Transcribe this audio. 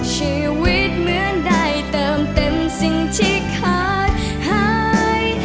ชีวิตเหมือนได้เติมเต็มสิ่งที่ขาดหาย